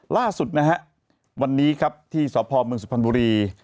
ล่าสุดนะฮะวันนี้ครับที่สพเมืองสุพรรณบุรี